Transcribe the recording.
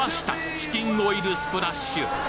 チキンオイルスプラッシュ！